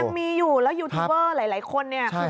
มันมีอยู่แล้วยูทูเวอร์หลายคนเนี่ย